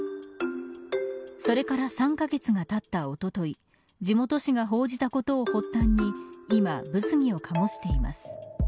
それから３カ月がたったおととい地元紙が報じたことを発端に今、物議を醸しています。